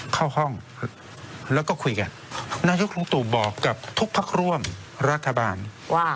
เข้าห้องแล้วก็คุยกันนายกลุงตู่บอกกับทุกพักร่วมรัฐบาลว่า